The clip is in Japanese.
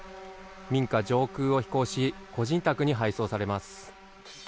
民家上空を飛行し個人宅に配送されます。